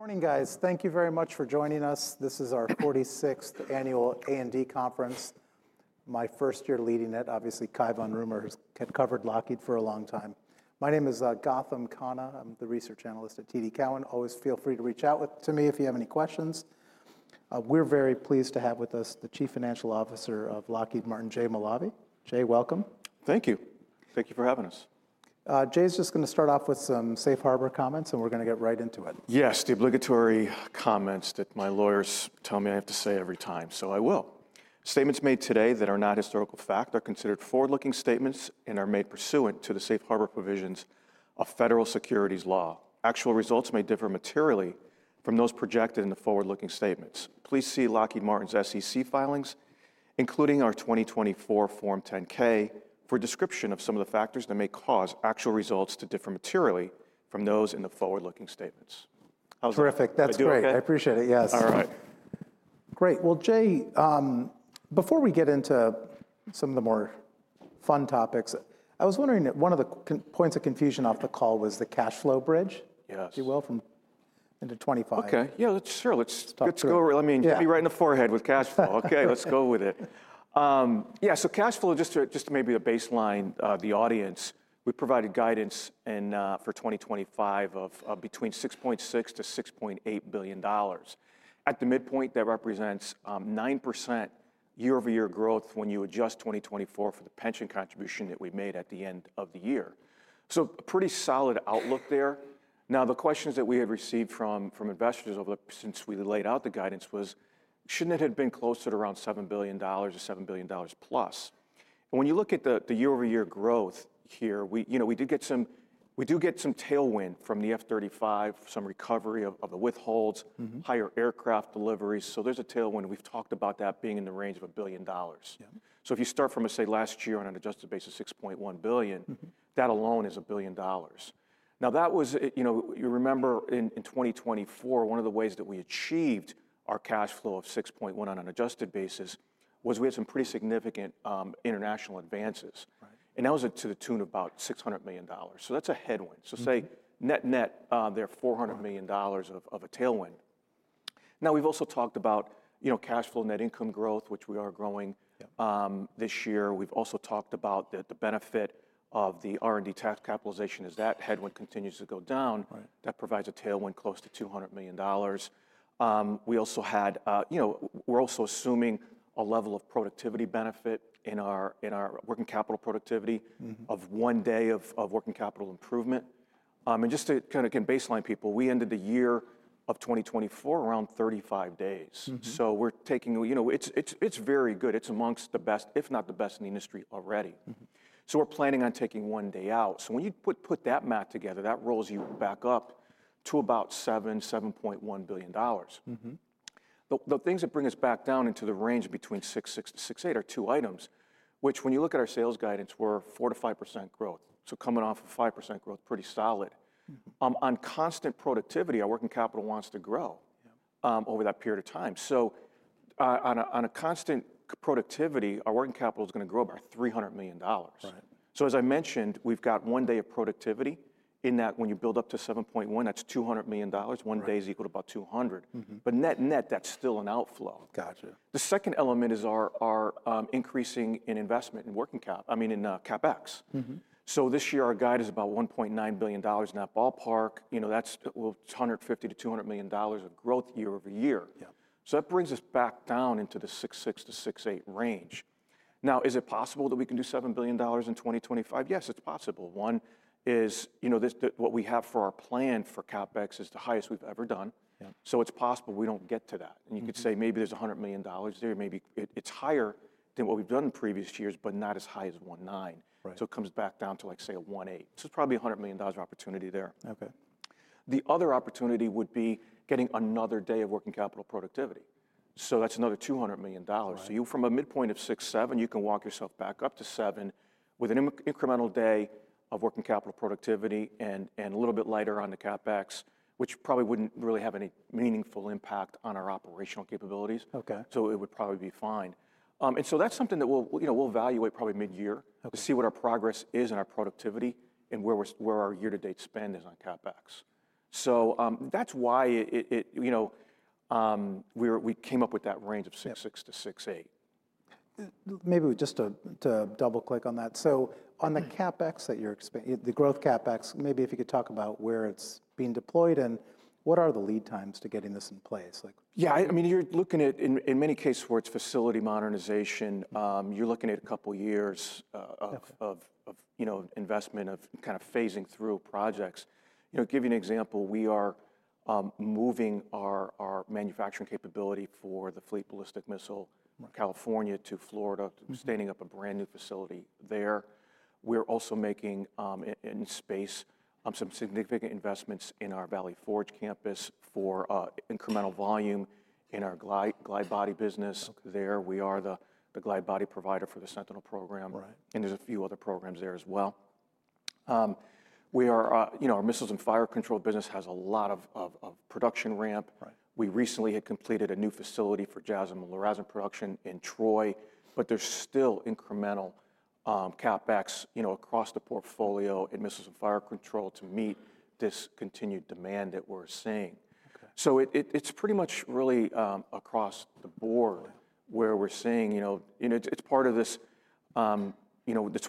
Morning, guys. Thank you very much for joining us. This is our 46th annual A&D Conference. My first year leading it, obviously. Cai von Rumohr has covered Lockheed for a long time. My name is Gautam Khanna. I'm the research analyst at TD Cowen. Always feel free to reach out to me if you have any questions. We're very pleased to have with us the Chief Financial Officer of Lockheed Martin, Jay Malave. Jay, welcome. Thank you. Thank you for having us. Jay's just going to start off with some safe harbor comments, and we're going to get right into it. Yes, the obligatory comments that my lawyers tell me I have to say every time, so I will. Statements made today that are not historical fact are considered forward-looking statements and are made pursuant to the safe harbor provisions of federal securities law. Actual results may differ materially from those projected in the forward-looking statements. Please see Lockheed Martin's SEC filings, including our 2024 Form 10-K, for a description of some of the factors that may cause actual results to differ materially from those in the forward-looking statements. Terrific. That's great. I appreciate it. Yes. All right. Great. Jay, before we get into some of the more fun topics, I was wondering, one of the points of confusion off the call was the cash flow bridge. Yes. If you will, from into 2025. Okay. Yeah, sure. Let's go right in the forefront with cash flow. Okay, let's go with it. Yeah, so cash flow, just to maybe a baseline, the audience, we provided guidance for 2025 of between $6.6 billion-$6.8 billion. At the midpoint, that represents 9% year-over-year growth when you adjust 2024 for the pension contribution that we made at the end of the year. It is a pretty solid outlook there. Now, the questions that we had received from investors since we laid out the guidance was, shouldn't it have been closer to around $7 billion or $7 billion plus? When you look at the year-over-year growth here, we did get some tailwind from the F-35, some recovery of the withholds, higher aircraft deliveries. So there's a tailwind. We've talked about that being in the range of $1 billion. So if you start from, say, last year on an adjusted base of $6.1 billion, that alone is a billion dollars. Now, that was, you remember, in 2024, one of the ways that we achieved our cash flow of $6.1 billion on an adjusted basis was we had some pretty significant international advances. And that was to the tune of about $600 million. So that's a headwind. So say, net net, there's $400 million of a tailwind. Now, we've also talked about cash flow net income growth, which we are growing this year. We've also talked about the benefit of the R&D tax capitalization. As that headwind continues to go down, that provides a tailwind close to $200 million. We also had; we're also assuming a level of productivity benefit in our working capital productivity of one day of working capital improvement. Just to kind of baseline people, we ended the year of 2024 around 35 days. So we're taking, it's very good. It's among the best, if not the best, in the industry already. So we're planning on taking one day out. So when you put that math together, that rolls you back up to about $7 billion-$7.1 billion. The things that bring us back down into the range between $6-$6.8 are two items, which when you look at our sales guidance, we're 4%-5% growth. So coming off of 5% growth, pretty solid. On constant productivity, our working capital wants to grow over that period of time. So on a constant productivity, our working capital is going to grow about $300 million. So as I mentioned, we've got one day of productivity. In that, when you build up to 7.1, that's $200 million. One day is equal to about 200. But net net, that's still an outflow. Gotcha. The second element is our increasing in investment in working cap, I mean, in CapEx. So this year, our guide is about $1.9 billion in that ballpark. That's $150 million-$200 million of growth year over year. So that brings us back down into the $6-$6.8 range. Now, is it possible that we can do $7 billion in 2025? Yes, it's possible. One is what we have for our plan for CapEx is the highest we've ever done. So it's possible we don't get to that. And you could say maybe there's $100 million there. Maybe it's higher than what we've done in previous years, but not as high as $1.9. So it comes back down to, like, say, a $1.8. So it's probably a $100 million opportunity there. Okay. The other opportunity would be getting another day of working capital productivity. So that's another $200 million. So you, from a midpoint of $6.7, you can walk yourself back up to $7 with an incremental day of working capital productivity and a little bit lighter on the CapEx, which probably wouldn't really have any meaningful impact on our operational capabilities. So it would probably be fine. And so that's something that we'll evaluate probably mid-year to see what our progress is in our productivity and where our year-to-date spend is on CapEx. So that's why we came up with that range of $6-$6.8. Maybe just to double-click on that. So on the CapEx that you're expecting, the growth CapEx, maybe if you could talk about where it's being deployed and what are the lead times to getting this in place? Yeah, I mean, you're looking at, in many cases, where it's facility modernization, you're looking at a couple of years of investment, of kind of phasing through projects. Give you an example, we are moving our manufacturing capability for the Fleet Ballistic Missile, California to Florida, standing up a brand new facility there. We're also making, in space, some significant investments in our Valley Forge campus for incremental volume in our glide body business there. We are the glide body provider for the Sentinel program, and there's a few other programs there as well. Our Missiles and Fire Control business has a lot of production ramp. We recently had completed a new facility for JASSM and LRASM production in Troy, but there's still incremental CapEx across the portfolio in Missiles and Fire Control to meet this continued demand that we're seeing. So, it's pretty much really across the board where we're seeing. It's part of this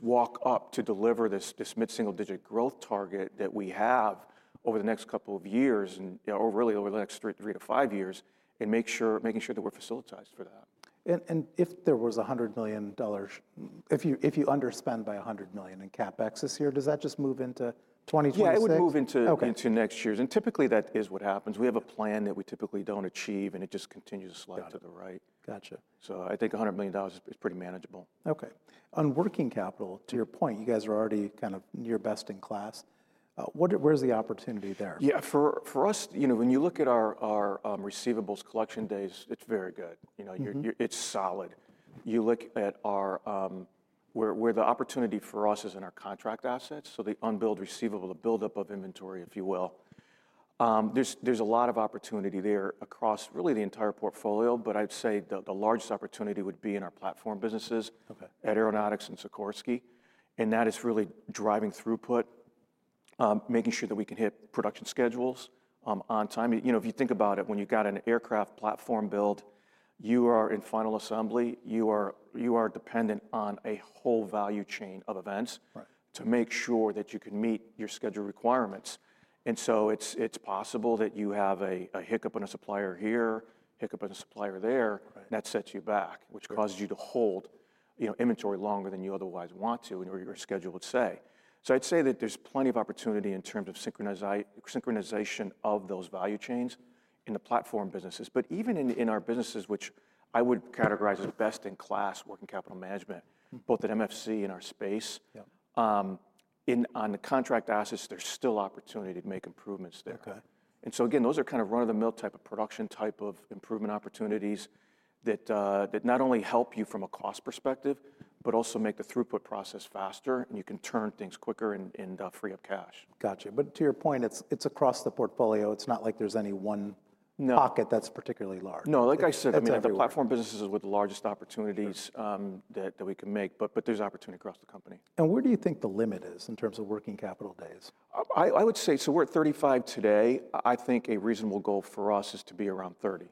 walk up to deliver this mid-single digit growth target that we have over the next couple of years, or really over the next three to five years, and making sure that we're facilitized for that. If there was $100 million, if you underspend by $100 million in Capex this year, does that just move into 2026? Yeah, it would move into next year's. And typically, that is what happens. We have a plan that we typically don't achieve, and it just continues to slide to the right. Gotcha. I think $100 million is pretty manageable. Okay. On working capital, to your point, you guys are already kind of your best in class. Where's the opportunity there? Yeah, for us, when you look at our receivables collection days, it's very good. It's solid. You look at where the opportunity for us is in our contract assets, so the unbilled receivable, the buildup of inventory, if you will. There's a lot of opportunity there across really the entire portfolio, but I'd say the largest opportunity would be in our platform businesses at Aeronautics and Sikorsky, and that is really driving throughput, making sure that we can hit production schedules on time. If you think about it, when you've got an aircraft platform built, you are in final assembly. You are dependent on a whole value chain of events to make sure that you can meet your scheduled requirements. And so it's possible that you have a hiccup on a supplier here, hiccup on a supplier there, and that sets you back, which causes you to hold inventory longer than you otherwise want to, or your schedule would say. So I'd say that there's plenty of opportunity in terms of synchronization of those value chains in the platform businesses. But even in our businesses, which I would categorize as best in class working capital management, both at MFC and our space, on the contract assets, there's still opportunity to make improvements there. And so again, those are kind of run-of-the-mill type of production type of improvement opportunities that not only help you from a cost perspective, but also make the throughput process faster, and you can turn things quicker and free up cash. Gotcha. But to your point, it's across the portfolio. It's not like there's any one pocket that's particularly large. No. Like I said, I mean, the platform businesses are the largest opportunities that we can make, but there's opportunity across the company. Where do you think the limit is in terms of working capital days? I would say, so we're at $35 today. I think a reasonable goal for us is to be around $30.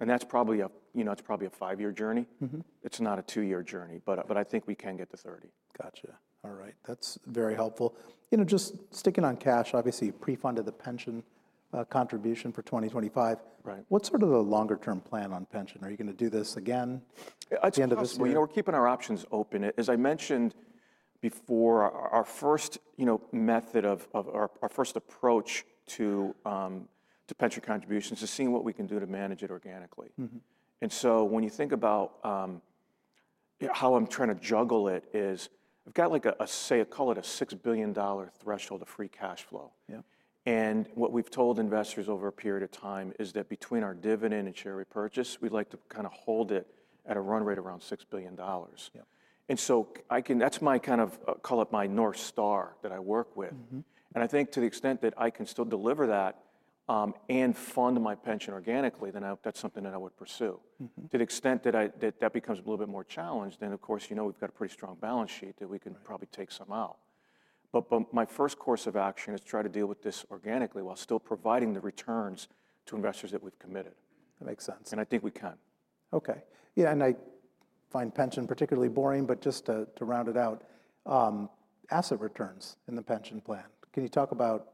Okay. That's probably a five-year journey. It's not a two-year journey, but I think we can get to $30. Gotcha. All right. That's very helpful. Just sticking on cash, obviously, you pre-funded the pension contribution for 2025. What's sort of the longer-term plan on pension? Are you going to do this again at the end of this year? We're keeping our options open. As I mentioned before, our first method of our first approach to pension contributions is seeing what we can do to manage it organically, and so when you think about how I'm trying to juggle it is I've got like, say, I call it a $6 billion threshold of free cash flow, and what we've told investors over a period of time is that between our dividend and share repurchase, we'd like to kind of hold it at a run rate around $6 billion, and so that's my kind of, call it my North Star that I work with, and I think to the extent that I can still deliver that and fund my pension organically, then that's something that I would pursue. To the extent that that becomes a little bit more challenged, then, of course, you know we've got a pretty strong balance sheet that we can probably take some out. But my first course of action is to try to deal with this organically while still providing the returns to investors that we've committed. That makes sense. And I think we can. Okay. Yeah, and I find pension particularly boring, but just to round it out, asset returns in the pension plan. Can you talk about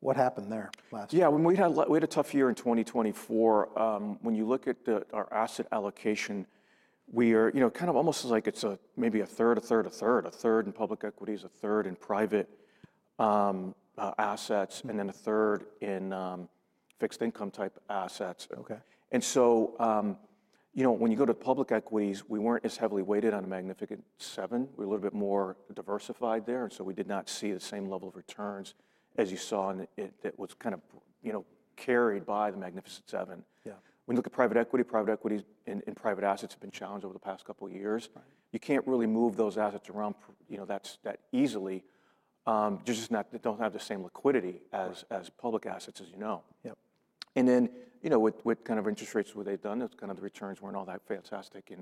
what happened there last year? Yeah, when we had a tough year in 2024. When you look at our asset allocation, we are kind of almost like it's maybe a third, a third, a third, a third in public equities, a third in private assets, and then a third in fixed income type assets. When you go to public equities, we weren't as heavily weighted on a Magnificent Seven. We were a little bit more diversified there. We did not see the same level of returns as you saw that was kind of carried by the Magnificent Seven. When you look at private equity, private equities and private assets have been challenged over the past couple of years. You can't really move those assets around that easily. They just don't have the same liquidity as public assets, as you know. And then with kind of interest rates, what they've done, it's kind of the returns weren't all that fantastic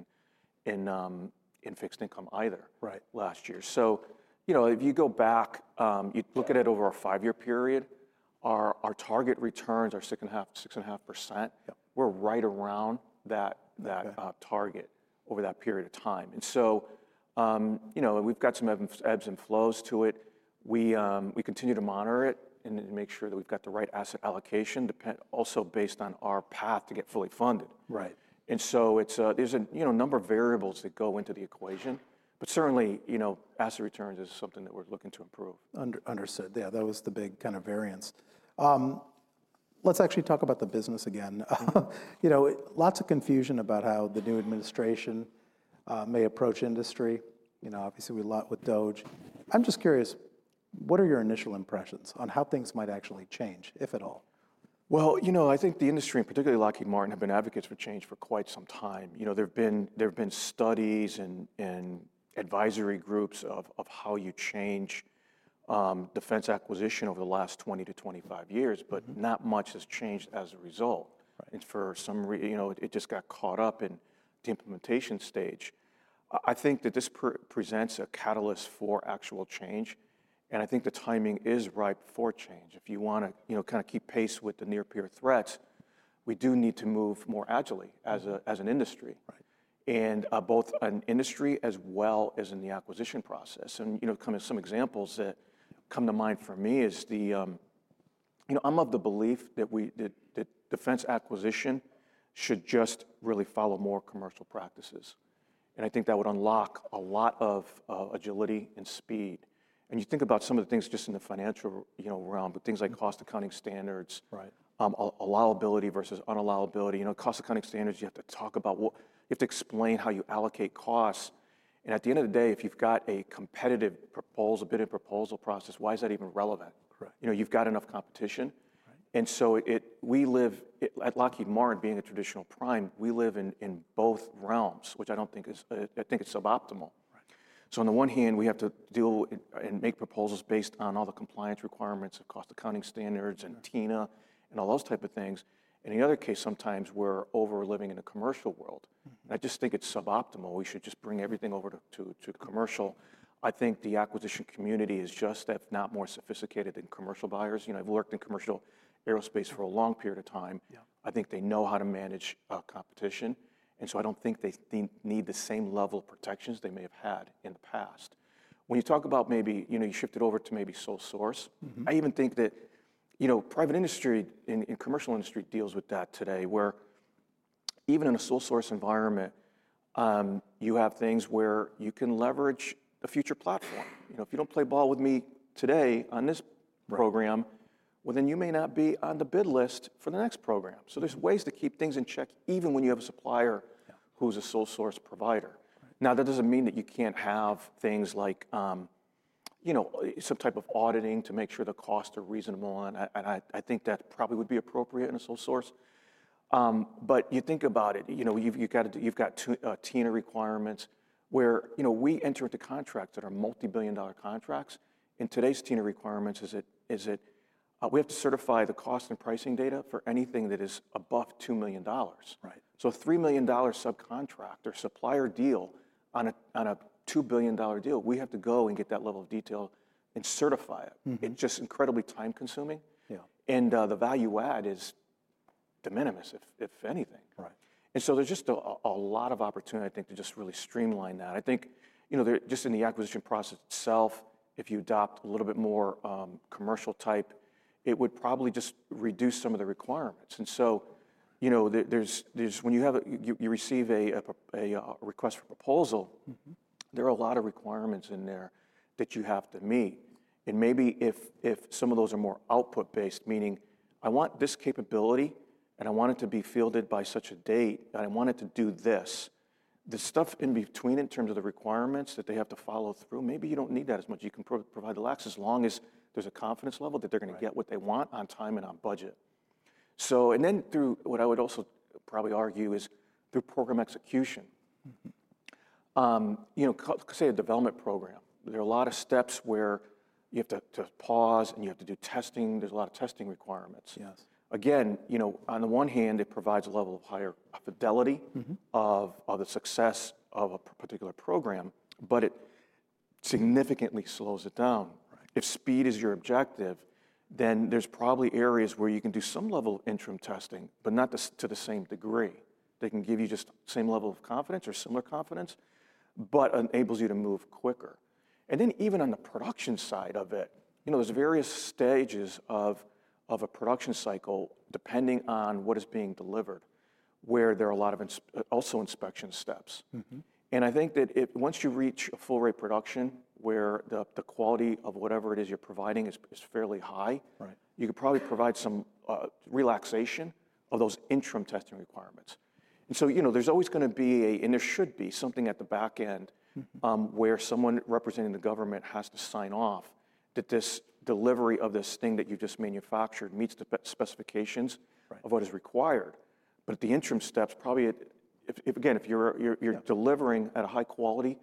in fixed income either last year. So if you go back, you look at it over a five-year period, our target returns are 6.5%, 6.5%. We're right around that target over that period of time. And so we've got some ebbs and flows to it. We continue to monitor it and make sure that we've got the right asset allocation, also based on our path to get fully funded. And so there's a number of variables that go into the equation, but certainly asset returns is something that we're looking to improve. Understood. Yeah, that was the big kind of variance. Let's actually talk about the business again. Lots of confusion about how the new administration may approach industry. Obviously, we talked with DOGE. I'm just curious, what are your initial impressions on how things might actually change, if at all? You know I think the industry, and particularly Lockheed Martin, have been advocates for change for quite some time. There've been studies and advisory groups of how you change defense acquisition over the last 20-25 years, but not much has changed as a result. For some reason, it just got caught up in the implementation stage. I think that this presents a catalyst for actual change. I think the timing is ripe for change. If you want to kind of keep pace with the near-peer threats, we do need to move more agilely as an industry, and both an industry as well as in the acquisition process. Some examples that come to mind for me is I'm of the belief that defense acquisition should just really follow more commercial practices. I think that would unlock a lot of agility and speed. And you think about some of the things just in the financial realm, but things like Cost Accounting Standards, allowability versus unallowability. Cost Accounting Standards, you have to talk about, you have to explain how you allocate costs. And at the end of the day, if you've got a competitive bid and proposal process, why is that even relevant? You've got enough competition. And so we live at Lockheed Martin, being a traditional prime, we live in both realms, which I think is suboptimal. So on the one hand, we have to deal and make proposals based on all the compliance requirements of Cost Accounting Standards and TINA and all those types of things. And in the other case, sometimes we're over living in a commercial world. And I just think it's suboptimal. We should just bring everything over to commercial. I think the acquisition community is just, if not more sophisticated than commercial buyers. I've worked in commercial aerospace for a long period of time. I think they know how to manage competition, and so I don't think they need the same level of protections they may have had in the past. When you talk about maybe you shifted over to maybe sole source, I even think that private industry and commercial industry deals with that today, where even in a sole source environment, you have things where you can leverage a future platform. If you don't play ball with me today on this program, well, then you may not be on the bid list for the next program, so there's ways to keep things in check, even when you have a supplier who's a sole source provider. Now, that doesn't mean that you can't have things like some type of auditing to make sure the costs are reasonable. And I think that probably would be appropriate in a sole source. But you think about it. You've got TINA requirements where we enter into contracts that are multi-billion dollar contracts. And today's TINA requirements is that we have to certify the cost and pricing data for anything that is above $2 million. So a $3 million subcontract or supplier deal on a $2 billion deal, we have to go and get that level of detail and certify it. It's just incredibly time-consuming. And the value add is de minimis, if anything. And so there's just a lot of opportunity, I think, to just really streamline that. I think just in the acquisition process itself, if you adopt a little bit more commercial type, it would probably just reduce some of the requirements. And so when you receive a request for proposal, there are a lot of requirements in there that you have to meet. And maybe if some of those are more output-based, meaning I want this capability, and I want it to be fielded by such a date, and I want it to do this, the stuff in between in terms of the requirements that they have to follow through, maybe you don't need that as much. You can provide the leeway as long as there's a confidence level that they're going to get what they want on time and on budget. And then through what I would also probably argue is through program execution. Say, a development program, there are a lot of steps where you have to pause and you have to do testing. There's a lot of testing requirements. Again, on the one hand, it provides a level of higher fidelity of the success of a particular program, but it significantly slows it down. If speed is your objective, then there's probably areas where you can do some level of interim testing, but not to the same degree. They can give you just the same level of confidence or similar confidence, but enables you to move quicker. And then even on the production side of it, there's various stages of a production cycle depending on what is being delivered, where there are a lot of also inspection steps. And I think that once you reach a full rate production where the quality of whatever it is you're providing is fairly high, you could probably provide some relaxation of those interim testing requirements. And so there's always going to be, and there should be something at the back end where someone representing the government has to sign off that this delivery of this thing that you just manufactured meets the specifications of what is required. But the interim steps, probably again, if you're delivering at a high quality,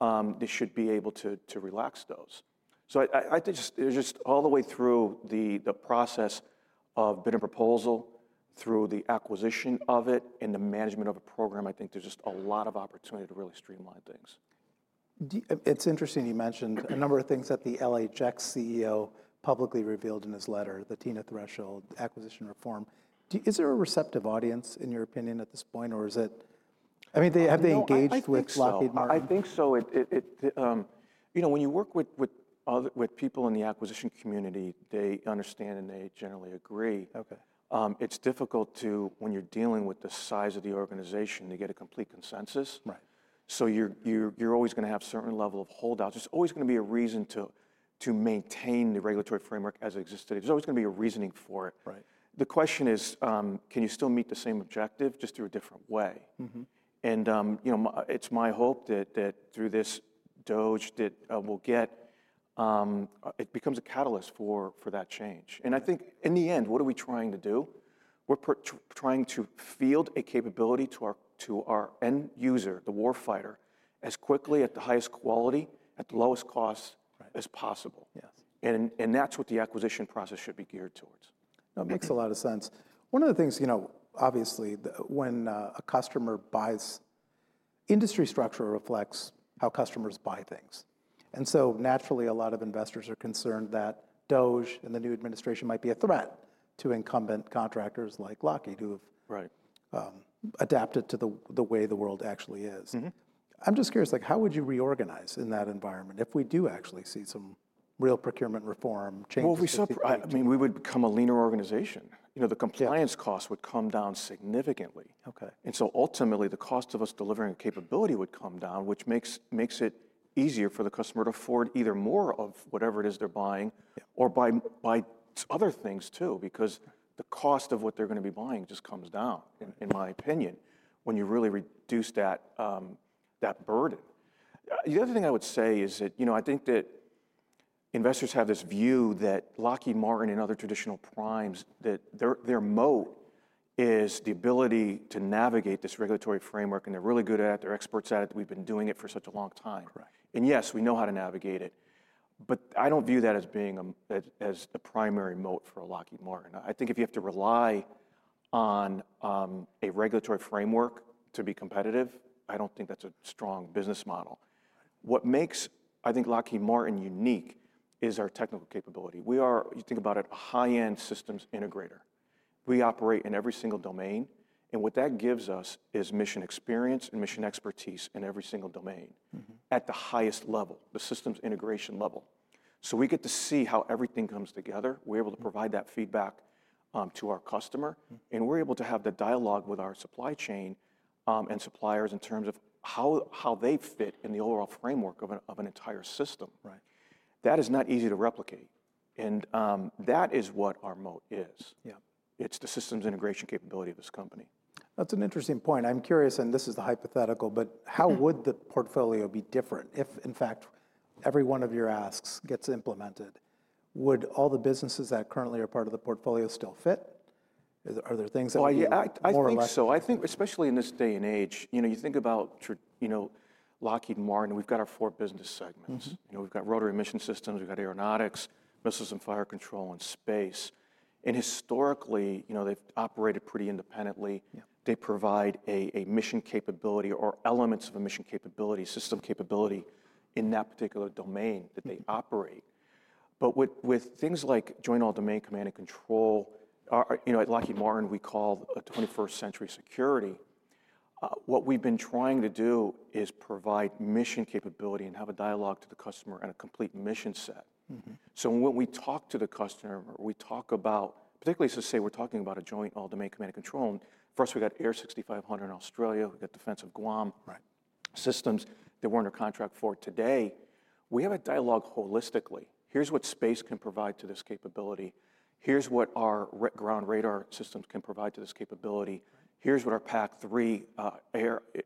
they should be able to relax those. So there's just all the way through the process of bid and proposal, through the acquisition of it, and the management of a program, I think there's just a lot of opportunity to really streamline things. It's interesting you mentioned a number of things that the L3Harris CEO publicly revealed in his letter, the TINA threshold, acquisition reform. Is there a receptive audience, in your opinion, at this point, or is it, I mean, have they engaged with Lockheed Martin? I think so. When you work with people in the acquisition community, they understand and they generally agree. It's difficult when you're dealing with the size of the organization to get a complete consensus. So you're always going to have a certain level of holdouts. There's always going to be a reason to maintain the regulatory framework as it exists today. There's always going to be a reasoning for it. The question is, can you still meet the same objective just through a different way? And it's my hope that through this DOGE that we'll get it becomes a catalyst for that change. And I think in the end, what are we trying to do? We're trying to field a capability to our end user, the war fighter, as quickly, at the highest quality, at the lowest cost as possible. And that's what the acquisition process should be geared towards. That makes a lot of sense. One of the things, obviously, when a customer buys, industry structure reflects how customers buy things. And so naturally, a lot of investors are concerned that DOGE and the new administration might be a threat to incumbent contractors like Lockheed who have adapted to the way the world actually is. I'm just curious, how would you reorganize in that environment if we do actually see some real procurement reform changes? I mean, we would become a leaner organization. The compliance costs would come down significantly. And so ultimately, the cost of us delivering a capability would come down, which makes it easier for the customer to afford either more of whatever it is they're buying or buy other things too, because the cost of what they're going to be buying just comes down, in my opinion, when you really reduce that burden. The other thing I would say is that I think that investors have this view that Lockheed Martin and other traditional primes, that their moat is the ability to navigate this regulatory framework, and they're really good at it. They're experts at it. We've been doing it for such a long time. And yes, we know how to navigate it. But I don't view that as being the primary moat for a Lockheed Martin. I think if you have to rely on a regulatory framework to be competitive, I don't think that's a strong business model. What makes, I think, Lockheed Martin unique is our technical capability. We are, you think about it, a high-end systems integrator. We operate in every single domain. And what that gives us is mission experience and mission expertise in every single domain at the highest level, the systems integration level. So we get to see how everything comes together. We're able to provide that feedback to our customer. And we're able to have the dialogue with our supply chain and suppliers in terms of how they fit in the overall framework of an entire system. That is not easy to replicate. And that is what our moat is. It's the systems integration capability of this company. That's an interesting point. I'm curious, and this is the hypothetical, but how would the portfolio be different? If, in fact, every one of your asks gets implemented, would all the businesses that currently are part of the portfolio still fit? Are there things that would be more or less? I think so. I think especially in this day and age, you think about Lockheed Martin, we've got our four business segments. We've got Rotary and Mission Systems, we've got Aeronautics, Missiles and Fire Control, and Space. Historically, they've operated pretty independently. They provide a mission capability or elements of a mission capability, system capability in that particular domain that they operate. With things like Joint All-Domain Command and Control, at Lockheed Martin, we call 21st Century Security. What we've been trying to do is provide mission capability and have a dialogue to the customer and a complete mission set. When we talk to the customer, we talk about, particularly as I say, we're talking about a Joint All-Domain Command and Control. First, we got AIR 6500 in Australia. We got Defense of Guam systems that we're under contract for today. We have a dialogue holistically. Here's what space can provide to this capability. Here's what our ground radar systems can provide to this capability. Here's what our PAC-3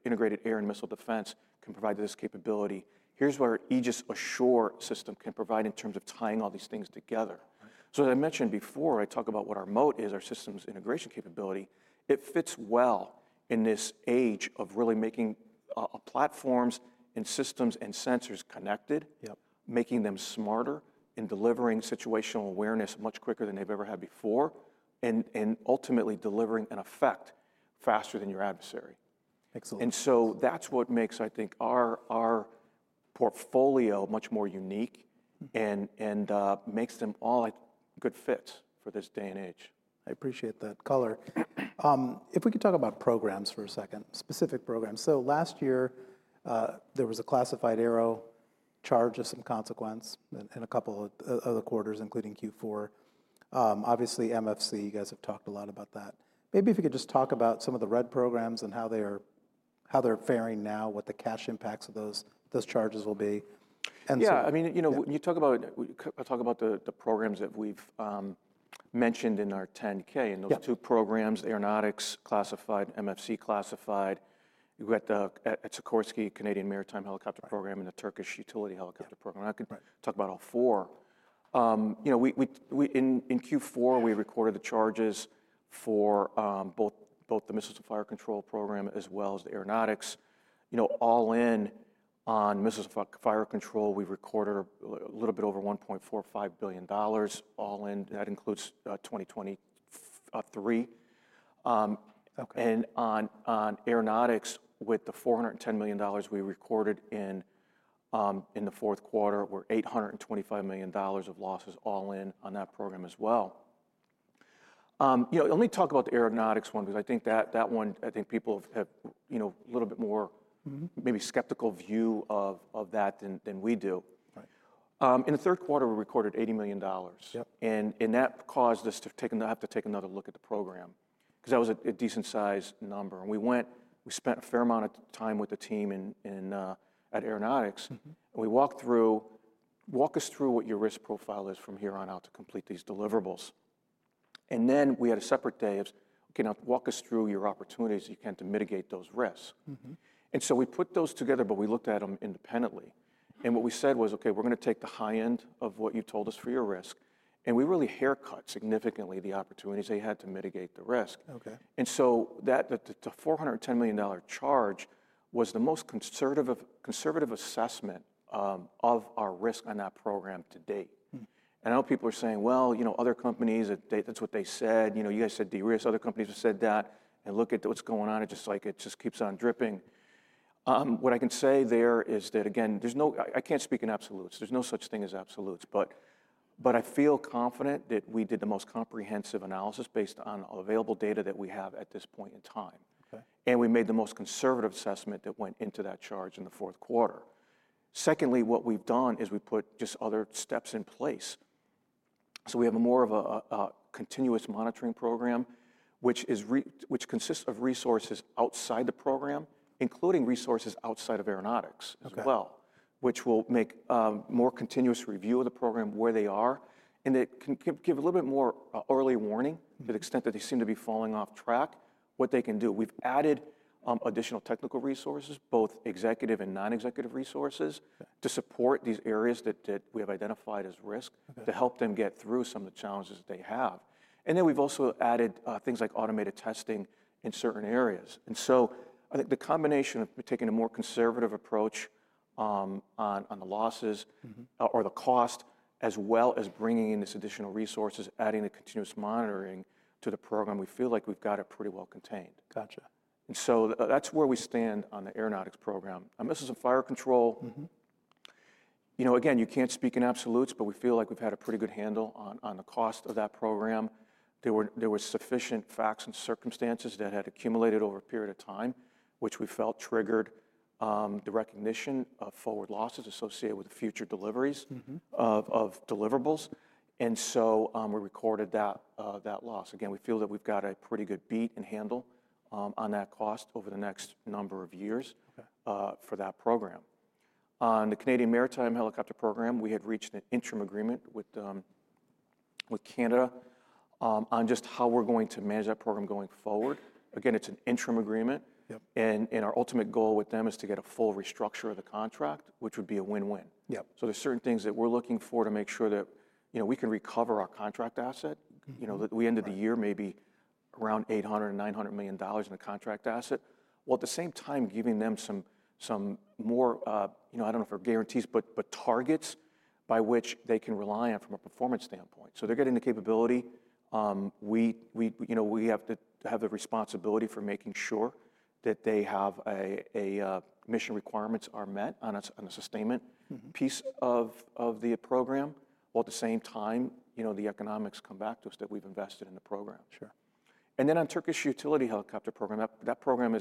integrated air and missile defense can provide to this capability. Here's what our Aegis Ashore system can provide in terms of tying all these things together. So as I mentioned before, I talk about what our moat is, our systems integration capability. It fits well in this age of really making platforms and systems and sensors connected, making them smarter in delivering situational awareness much quicker than they've ever had before, and ultimately delivering an effect faster than your adversary. And so that's what makes, I think, our portfolio much more unique and makes them all a good fit for this day and age. I appreciate that color. If we could talk about programs for a second, specific programs. So last year, there was a classified aero charge of some consequence in a couple of other quarters, including Q4. Obviously, MFC, you guys have talked a lot about that. Maybe if you could just talk about some of the red programs and how they're faring now, what the cash impacts of those charges will be. Yeah. I mean, you talk about the programs that we've mentioned in our 10-K, and those two programs, aeronautics classified, MFC classified. You've got the Sikorsky Canadian Maritime Helicopter Program and the Turkish Utility Helicopter Program. I could talk about all four. In Q4, we recorded the charges for both the missiles and fire control program as well as the aeronautics. All in on missiles and fire control, we recorded a little bit over $1.45 billion all in. That includes 2023, and on aeronautics, with the $410 million we recorded in the fourth quarter, we're $825 million of losses all in on that program as well. Let me talk about the aeronautics one, because I think that one, I think people have a little bit more maybe skeptical view of that than we do. In the third quarter, we recorded $80 million. That caused us to have to take another look at the program, because that was a decent-sized number. We went, we spent a fair amount of time with the team at aeronautics. We walked through, walk us through what your risk profile is from here on out to complete these deliverables. Then we had a separate day of, okay, now walk us through your opportunities you can to mitigate those risks. We put those together, but we looked at them independently. What we said was, okay, we're going to take the high end of what you told us for your risk. We really haircut significantly the opportunities they had to mitigate the risk. That $410 million charge was the most conservative assessment of our risk on that program to date. And I know people are saying, well, other companies, that's what they said. You guys said de-risk. Other companies have said that. And look at what's going on. It just keeps on dripping. What I can say there is that, again, I can't speak in absolutes. There's no such thing as absolutes. But I feel confident that we did the most comprehensive analysis based on available data that we have at this point in time. And we made the most conservative assessment that went into that charge in the fourth quarter. Secondly, what we've done is we put just other steps in place. So we have more of a continuous monitoring program, which consists of resources outside the program, including resources outside of aeronautics as well, which will make more continuous review of the program where they are. And it can give a little bit more early warning to the extent that they seem to be falling off track, what they can do. We've added additional technical resources, both executive and non-executive resources to support these areas that we have identified as risk to help them get through some of the challenges they have. And then we've also added things like automated testing in certain areas. And so I think the combination of taking a more conservative approach on the losses or the cost, as well as bringing in this additional resources, adding the continuous monitoring to the program, we feel like we've got it pretty well contained. And so that's where we stand on the Aeronautics program. Missiles and Fire Control, again, you can't speak in absolutes, but we feel like we've had a pretty good handle on the cost of that program. There were sufficient facts and circumstances that had accumulated over a period of time, which we felt triggered the recognition of forward losses associated with future deliveries of deliverables, and so we recorded that loss. Again, we feel that we've got a pretty good beat and handle on that cost over the next number of years for that program. On the Canadian Maritime Helicopter Program, we had reached an interim agreement with Canada on just how we're going to manage that program going forward. Again, it's an interim agreement, and our ultimate goal with them is to get a full restructure of the contract, which would be a win-win, so there's certain things that we're looking for to make sure that we can recover our contract asset. We ended the year maybe around $800-$900 million in the contract asset, while at the same time giving them some more, I don't know if they're guarantees, but targets by which they can rely on from a performance standpoint. So they're getting the capability. We have to have the responsibility for making sure that they have mission requirements met on the sustainment piece of the program, while at the same time, the economics come back to us that we've invested in the program. And then on Turkish Utility Helicopter Program, that program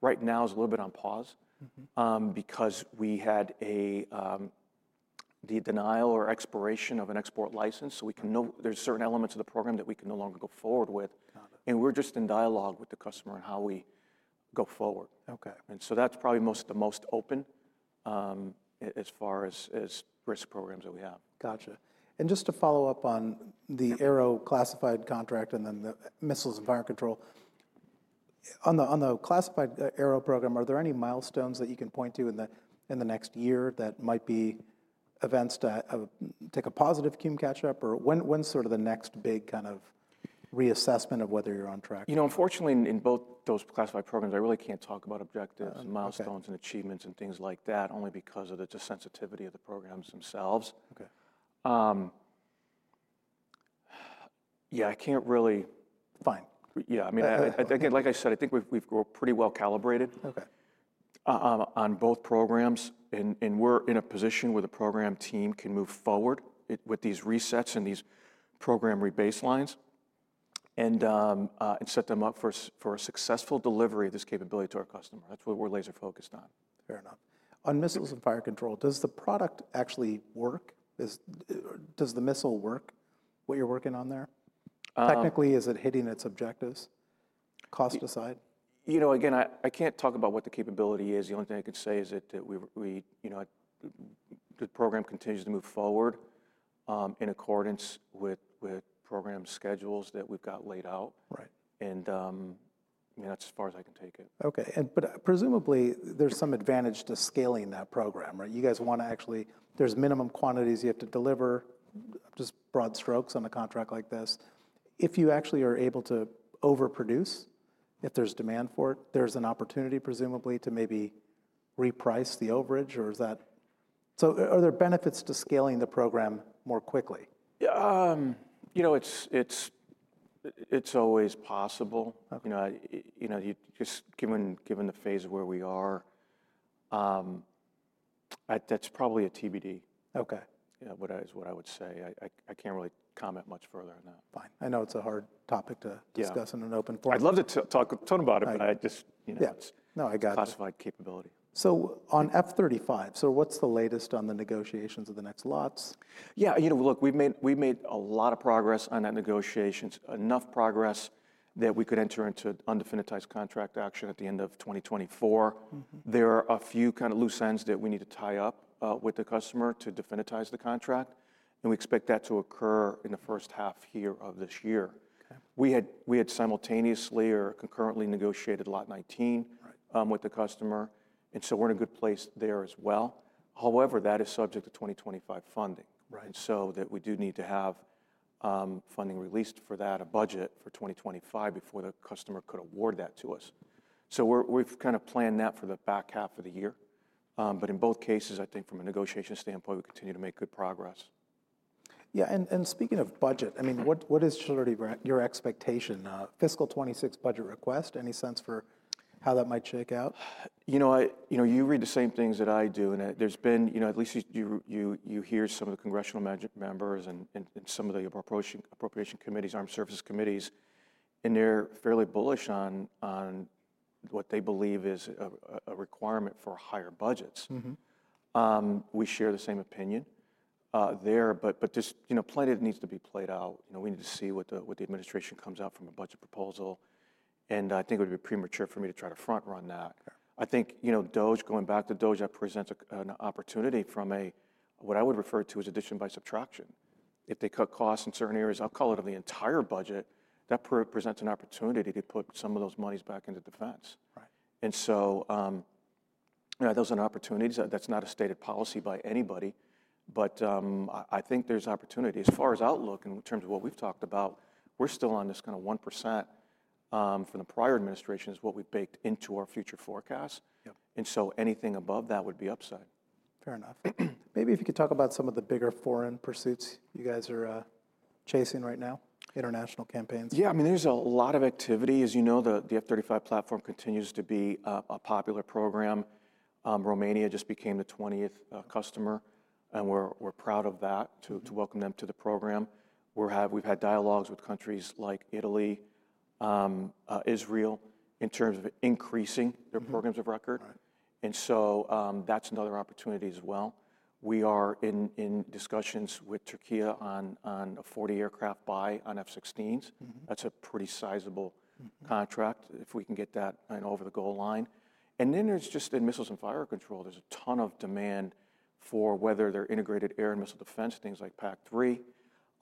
right now is a little bit on pause because we had the denial or expiration of an export license. So there's certain elements of the program that we can no longer go forward with. And we're just in dialogue with the customer on how we go forward. And so that's probably the most open as far as risk programs that we have. Gotcha, and just to follow up on the Aero classified contract and then the Missiles and Fire Control, on the classified Aero program, are there any milestones that you can point to in the next year that might be events that take a positive cum catch-up? Or when's sort of the next big kind of reassessment of whether you're on track? You know, unfortunately, in both those classified programs, I really can't talk about objectives and milestones and achievements and things like that, only because of the sensitivity of the programs themselves. Yeah, I can't really. Fine. Yeah. I mean, again, like I said, I think we've grown pretty well calibrated on both programs. And we're in a position where the program team can move forward with these resets and these program rebaselines and set them up for a successful delivery of this capability to our customer. That's what we're laser-focused on. Fair enough. On missiles and fire control, does the product actually work? Does the missile work, what you're working on there? Technically, is it hitting its objectives? Cost aside? You know, again, I can't talk about what the capability is. The only thing I can say is that the program continues to move forward in accordance with program schedules that we've got laid out. And that's as far as I can take it. Okay. But presumably, there's some advantage to scaling that program, right? You guys want to actually, there's minimum quantities you have to deliver, just broad strokes on a contract like this. If you actually are able to overproduce, if there's demand for it, there's an opportunity presumably to maybe reprice the overage, or is that, so are there benefits to scaling the program more quickly? You know, it's always possible. Just given the phase of where we are, that's probably a TBD is what I would say. I can't really comment much further on that. Fine. I know it's a hard topic to discuss in an open forum. I'd love to talk a ton about it, but I just, you know, classified capability. On F-35, so what's the latest on the negotiations of the next lots? Yeah. You know, look, we've made a lot of progress on that negotiations, enough progress that we could enter into undefinitized contract action at the end of 2024. There are a few kind of loose ends that we need to tie up with the customer to definitize the contract, and we expect that to occur in the first half here of this year. We had simultaneously or concurrently negotiated Lot 19 with the customer, and so we're in a good place there as well. However, that is subject to 2025 funding, and so that we do need to have funding released for that, a budget for 2025 before the customer could award that to us, so we've kind of planned that for the back half of the year, but in both cases, I think from a negotiation standpoint, we continue to make good progress. Yeah, and speaking of budget, I mean, what is your expectation? Fiscal 2026 budget request? Any sense for how that might shake out? You know, you read the same things that I do, and there's been, at least you hear some of the congressional members and some of the appropriation committees, armed services committees, and they're fairly bullish on what they believe is a requirement for higher budgets. We share the same opinion there, but just plenty of it needs to be played out. We need to see what the administration comes out from a budget proposal, and I think it would be premature for me to try to front-run that. I think, you know, DOGE, going back to DOGE, that presents an opportunity from what I would refer to as addition by subtraction. If they cut costs in certain areas, I'll call it on the entire budget, that presents an opportunity to put some of those monies back into defense, and so those are opportunities. That's not a stated policy by anybody. But I think there's opportunity. As far as outlook, in terms of what we've talked about, we're still on this kind of 1% from the prior administration is what we've baked into our future forecasts. And so anything above that would be upside. Fair enough. Maybe if you could talk about some of the bigger foreign pursuits you guys are chasing right now, international campaigns. Yeah. I mean, there's a lot of activity. As you know, the F-35 platform continues to be a popular program. Romania just became the 20th customer. And we're proud of that to welcome them to the program. We've had dialogues with countries like Italy, Israel in terms of increasing their programs of record. And so that's another opportunity as well. We are in discussions with Türkiye on a 40 aircraft buy on F-16s. That's a pretty sizable contract if we can get that over the goal line. And then there's just in missiles and fire control, there's a ton of demand for whether they're integrated air and missile defense, things like PAC-3,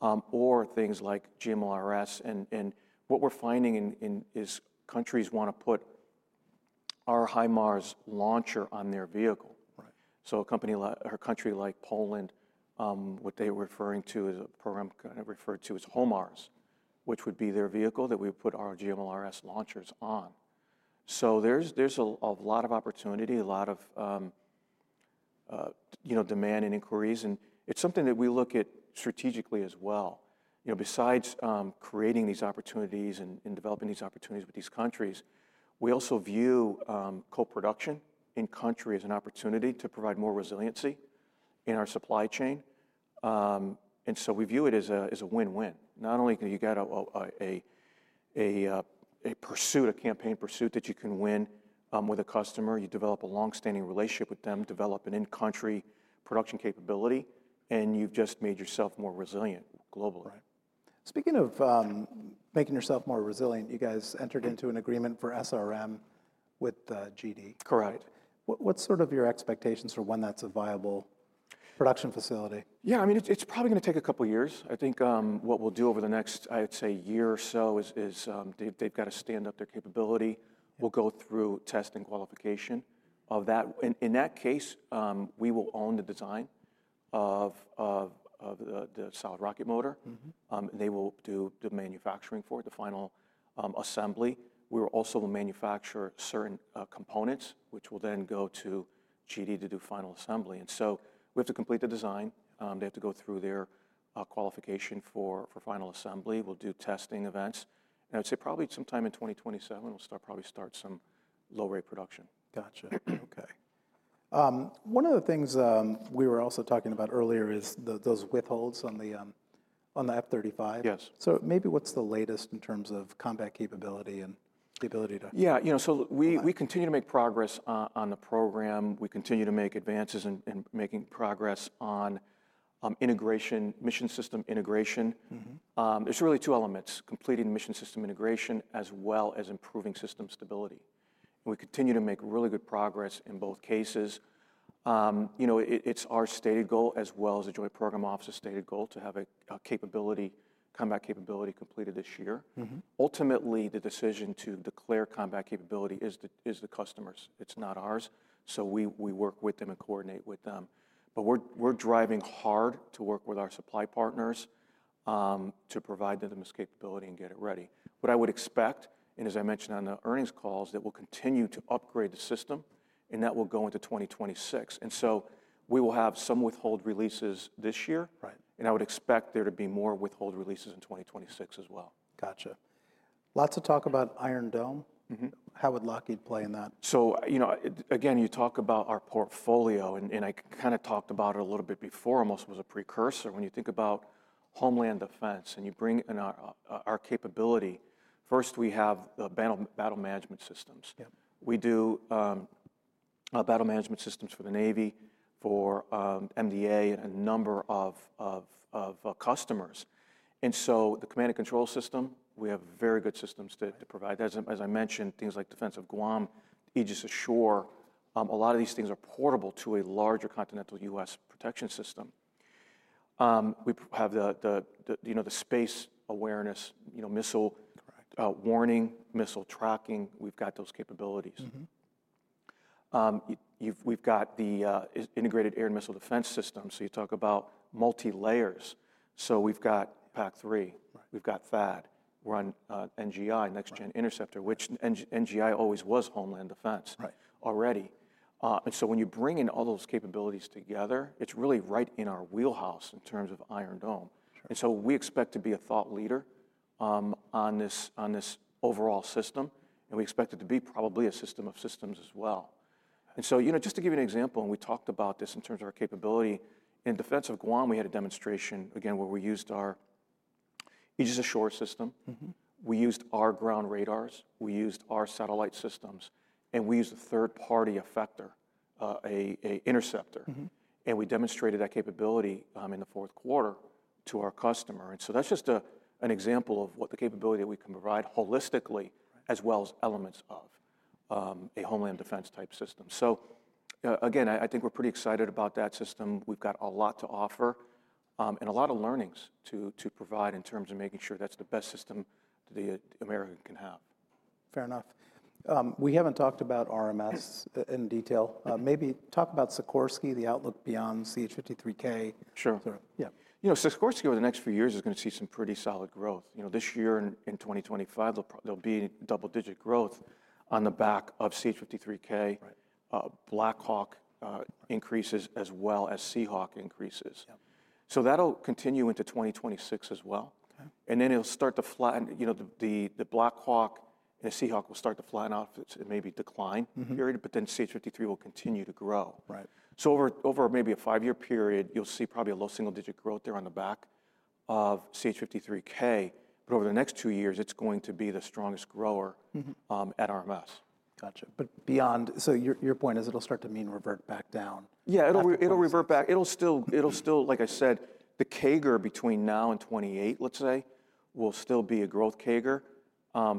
or things like GMLRS. And what we're finding is countries want to put our HIMARS launcher on their vehicle. So a country like Poland, what they were referring to as a program kind of referred to as Homar, which would be their vehicle that we would put our GMLRS launchers on. So there's a lot of opportunity, a lot of demand and inquiries. And it's something that we look at strategically as well. Besides creating these opportunities and developing these opportunities with these countries, we also view co-production in country as an opportunity to provide more resiliency in our supply chain. And so we view it as a win-win. Not only do you get a pursuit, a campaign pursuit that you can win with a customer, you develop a long-standing relationship with them, develop an in-country production capability, and you've just made yourself more resilient globally. Right. Speaking of making yourself more resilient, you guys entered into an agreement for SRM with GD. Correct. What's sort of your expectations for when that's a viable production facility? Yeah. I mean, it's probably going to take a couple of years. I think what we'll do over the next, I'd say, year or so is they've got to stand up their capability. We'll go through test and qualification of that. In that case, we will own the design of the solid rocket motor. And they will do the manufacturing for it, the final assembly. We will also manufacture certain components, which will then go to GD to do final assembly. And so we have to complete the design. They have to go through their qualification for final assembly. We'll do testing events. And I'd say probably sometime in 2027, we'll probably start some low-rate production. Gotcha. Okay. One of the things we were also talking about earlier is those withholds on the F-35. Yes. So maybe what's the latest in terms of combat capability and the ability to? Yeah. You know, so we continue to make progress on the program. We continue to make advances in making progress on integration, mission system integration. There's really two elements: completing mission system integration as well as improving system stability, and we continue to make really good progress in both cases. You know, it's our stated goal as well as the Joint Program Office's stated goal to have a combat capability completed this year. Ultimately, the decision to declare combat capability is the customer's. It's not ours, so we work with them and coordinate with them, but we're driving hard to work with our supply partners to provide them with capability and get it ready. What I would expect, and as I mentioned on the earnings calls, that we'll continue to upgrade the system, and that will go into 2026, and so we will have some withhold releases this year. I would expect there to be more withhold releases in 2026 as well. Gotcha. Lots to talk about Iron Dome. How would Lockheed play in that? So, you know, again, you talk about our portfolio, and I kind of talked about it a little bit before, almost was a precursor. When you think about Homeland Defense and you bring in our capability, first we have the battle management systems. We do battle management systems for the Navy, for MDA, and a number of customers. And so the command and control system, we have very good systems to provide. As I mentioned, things like Defense of Guam, Aegis Ashore, a lot of these things are portable to a larger continental U.S. protection system. We have the space awareness, missile warning, missile tracking. We've got those capabilities. We've got the integrated air and missile defense system. So you talk about multi-layers. So we've got PAC-3. We've got THAAD. We're on NGI, Next Generation Interceptor, which NGI always was Homeland Defense already. And so when you bring in all those capabilities together, it's really right in our wheelhouse in terms of Iron Dome. And so we expect to be a thought leader on this overall system. And we expect it to be probably a system of systems as well. And so, you know, just to give you an example, and we talked about this in terms of our capability. In Defense of Guam, we had a demonstration, again, where we used our Aegis Ashore system. We used our ground radars. We used our satellite systems. And we used a third-party effector, an interceptor. And we demonstrated that capability in the fourth quarter to our customer. And so that's just an example of what the capability that we can provide holistically, as well as elements of a Homeland Defense type system. So again, I think we're pretty excited about that system. We've got a lot to offer and a lot of learnings to provide in terms of making sure that's the best system that America can have. Fair enough. We haven't talked about RMS in detail. Maybe talk about Sikorsky, the outlook beyond CH-53K. Sure. You know, Sikorsky over the next few years is going to see some pretty solid growth. You know, this year in 2025, there'll be double-digit growth on the back of CH-53K, Black Hawk increases, as well as Seahawk increases. That'll continue into 2026 as well. Then it'll start to flatten. The Black Hawk and the Seahawk will start to flatten out for its maybe decline period. But then CH-53K will continue to grow. So over maybe a 5-year period, you'll see probably a low single-digit growth there on the back of CH-53K. But over the next two years, it's going to be the strongest grower at RMS. Gotcha, but beyond, so your point is it'll start to mean revert back down. Yeah, it'll revert back. It'll still, like I said, the CAGR between now and 2028, let's say, will still be a growth CAGR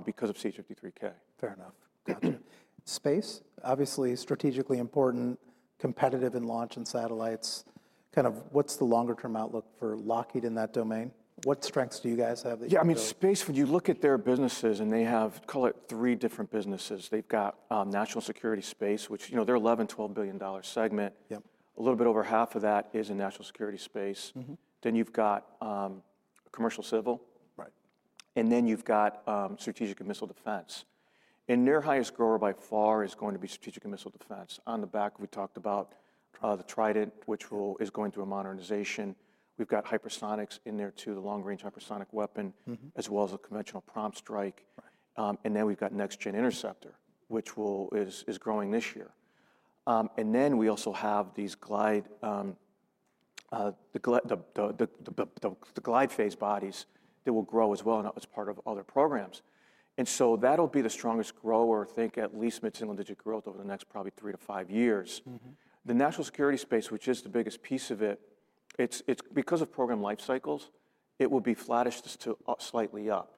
because of CH-53K. Fair enough. Gotcha. Space, obviously strategically important, competitive in launch and satellites. Kind of what's the longer-term outlook for Lockheed in that domain? What strengths do you guys have? Yeah, I mean, space, when you look at their businesses and they have, call it three different businesses. They've got National Security Space, which, you know, they're an $11 billion-$12 billion segment. A little bit over half of that is in National Security Space. Then you've got Commercial Civil. And then you've got Strategic and Missile Defense. And their highest grower by far is going to be Strategic and Missile Defense. On the back, we talked about the Trident, which is going through a modernization. We've got hypersonics in there too, the long-range hypersonic weapon, as well as a conventional prompt strike. And then we've got Next Gen Interceptor, which is growing this year. And then we also have these glide bodies that will grow as well as part of other programs. That'll be the strongest grower, I think, at least mid-single-digit growth over the next probably three-to-five years. The National Security Space, which is the biggest piece of it, because of program life cycles, it will be flattish to slightly up.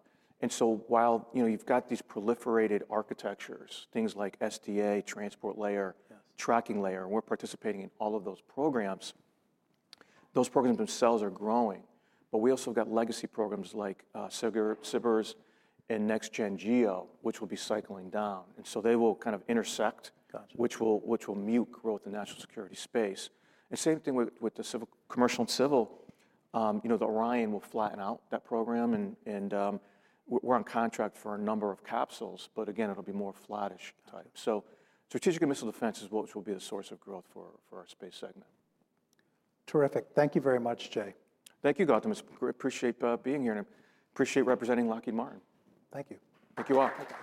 While you've got these proliferated architectures, things like SDA, Transport Layer, Tracking Layer, and we're participating in all of those programs, those programs themselves are growing. But we also have got legacy programs like SBIRS and Next Gen Geo, which will be cycling down. They will kind of intersect, which will mute growth in the National Security Space. Same thing with the commercial and civil. You know, the Orion will flatten out that program. We're on contract for a number of capsules. But again, it'll be more flattish type. Strategic and missile defense is what will be the source of growth for our space segment. Terrific. Thank you very much, Jay. Thank you, Gautam. Appreciate being here and appreciate representing Lockheed Martin. Thank you. Thank you all.